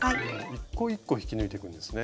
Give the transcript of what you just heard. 一個一個引き抜いていくんですね。